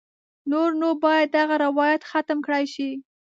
نور نو باید دغه روایت ختم کړای شي.